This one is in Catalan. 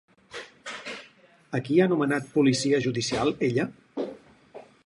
A qui ha nomenat policia judicial ella?